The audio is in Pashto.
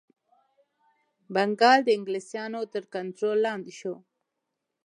بنګال د انګلیسیانو تر کنټرول لاندي شو.